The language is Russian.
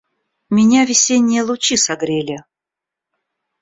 Меня весенние лучи согрели.